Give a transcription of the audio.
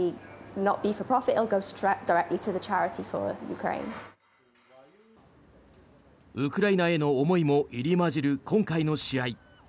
ウクライナへの思いも入り交じる今回の試合。